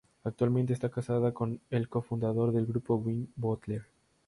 Actualmente esta casada con el co-fundador del grupo, Win Butler.